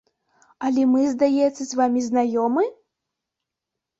Але мы, здаецца, з вамі знаёмы?